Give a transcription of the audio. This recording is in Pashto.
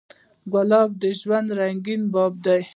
ګلاب د ژوند رنګین باب دی.